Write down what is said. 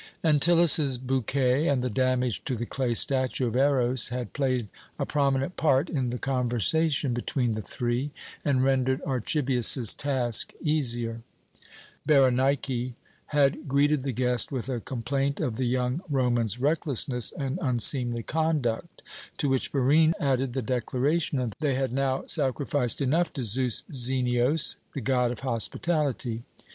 Antyllus's bouquet, and the damage to the clay statue of Eros, had played a prominent part in the conversation between the three, and rendered Archibius's task easier. Berenike had greeted the guest with a complaint of the young Roman's recklessness and unseemly conduct, to which Barine added the declaration that they had now sacrificed enough to Zeus Xenios, the god of hospitality.